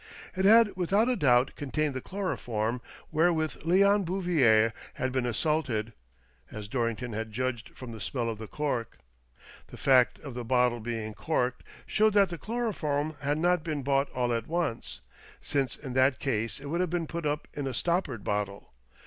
It had, without a doubt, contained the chloroform where with Leon Bouvier had been assaulted, as Dor rington had judged from the smell of the cork. The fact of the bottle being corked showed that the chloroform had not been bought all at once — since in that case it would have been put up in a stoppered bottle.